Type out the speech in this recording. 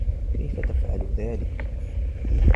كيف تفعل ذلك?